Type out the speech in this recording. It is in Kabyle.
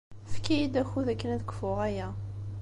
Efk-iyi-d akud akken ad kfuɣ aya.